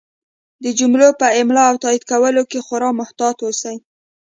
د جملو په املا او تایید کولو کې خورا محتاط اوسئ!